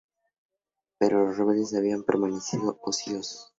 Pero los rebeldes no habían permanecido ociosos.